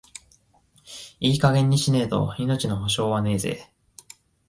いい加減にしねえと、命の保証はねえぜ。